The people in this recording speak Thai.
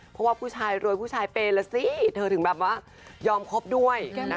เพราะว่าผู้ชายรวยผู้ชายเปย์แล้วสิเธอถึงแบบว่ายอมคบด้วย